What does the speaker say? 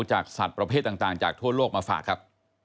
จากสัตว์ประเภทต่างจากทั่วโลกมาฝากครับ